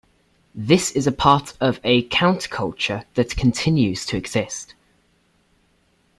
This is part of a counterculture that continues to exist.